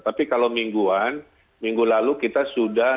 tapi kalau mingguan minggu lalu kita sudah